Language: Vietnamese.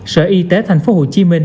sở y tế thành phố hồ chí minh